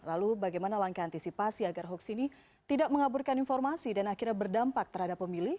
lalu bagaimana langkah antisipasi agar hoax ini tidak mengaburkan informasi dan akhirnya berdampak terhadap pemilih